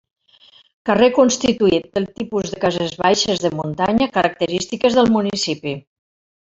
Carrer constituït pel tipus de cases baixes de muntanya, característiques del municipi.